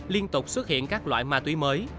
liên tục xuất hiện các loại ma túy mới